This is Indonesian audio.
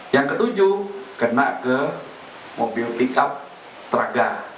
yang ketujuh kena ke mobil pickup traga